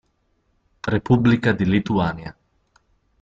Repubblica di Lituania